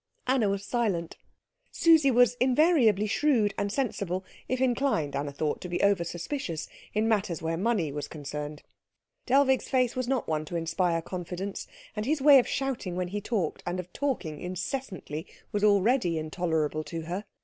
Anna was silent. Susie was invariably shrewd and sensible, if inclined, Anna thought, to be over suspicious, in matters where money was concerned. Dellwig's face was not one to inspire confidence: and his way of shouting when he talked, and of talking incessantly, was already intolerable to her.